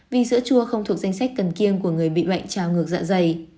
vì sữa chua không thuộc danh sách cần kiêng của người bị bệnh trào ngược dạ dày